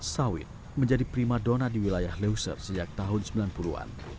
sawit menjadi prima dona di wilayah leuser sejak tahun sembilan puluh an